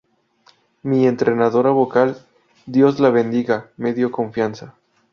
Mi entrenadora vocal, Dios la bendiga, me dio confianza.